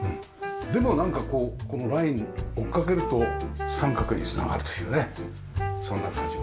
でもなんかこうこのライン追っかけると三角に繋がるというねそんな感じがしますよ。